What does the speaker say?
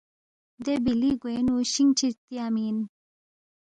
دے بِلی گوینگ نُو شِنگچی تیانگمی اِن